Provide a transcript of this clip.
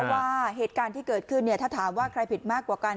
ว่าเหตุการณ์ที่เกิดขึ้นถ้าถามว่าใครผิดมากกว่ากัน